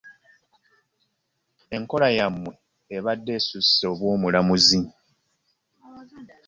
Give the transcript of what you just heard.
Enkola yammwe ebadde esusse obw'omulamuzi.